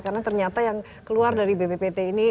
karena ternyata yang keluar dari bppt ini